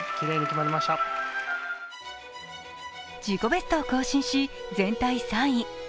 自己ベストを更新し、全体３位。